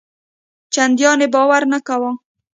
چنداني باور نه کاوه.